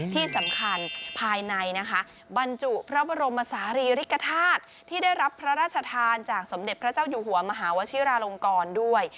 ที่สำคัญภายในนะคะบรรจุพระบรมศาลีริกฐาตุที่ได้รับพระราชทานจากสมเด็จพระเจ้าอยู่หัวมหาวชิราลงกรด้วย